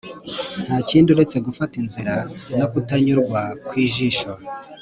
Ntakindi uretse gufata inzara no kutanyurwa kwijisho